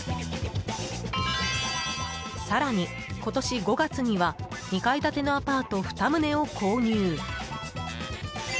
更に今年５月には２階建てのアパート２棟を購入。